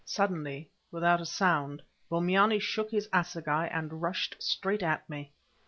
Suddenly, without a sound, Bombyane shook his assegai and rushed straight at me.